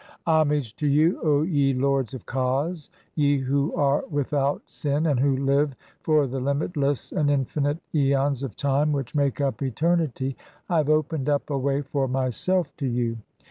1 29 "Homage to you, O ye lords of Kas, ye who are without (2) "sin and who live for the limitless and infinite aeons of time "which make up eternity, I have opened up a way for myself "to you